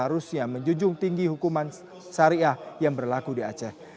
dan seharusnya menjunjung tinggi hukuman syariah yang berlaku di aceh